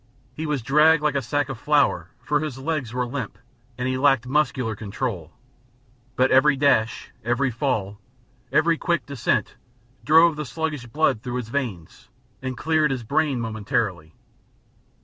He was dragged like a sack of flour for his legs were limp and he lacked muscular control, but every dash, every fall, every quick descent drove the sluggish blood through his veins and cleared his brain momentarily.